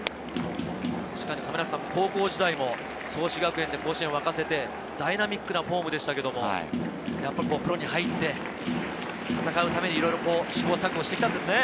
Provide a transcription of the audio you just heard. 高校時代も創志学園で甲子園を沸かせてダイナミックなフォームでしたけど、プロに入って戦うためにいろいろ試行錯誤してきたんですね。